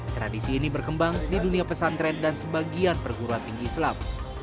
tradisi ini berkembang di dunia pesantren dan sebagian perguruan tinggi islam